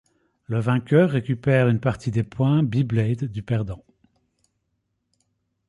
Le vainqueur récupère une partie des points beyblade du perdant.